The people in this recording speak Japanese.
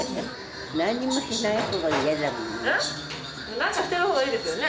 何かしてる方がいいですよね。